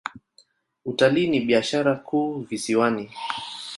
Utalii ni biashara kuu visiwani.